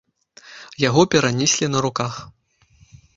Яго перанеслі на руках.